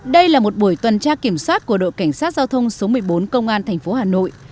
đây là một buổi tuần tra kiểm soát của đội cảnh sát giao thông số một mươi bốn công an thành phố hà nội